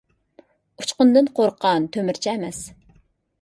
ئۇچقۇندىن قورققان تۆمۈرچى ئەمەس.